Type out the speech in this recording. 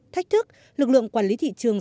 thách thức lực lượng quản lý thị trường